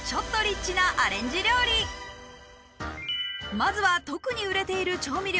まずは特に売れている調味料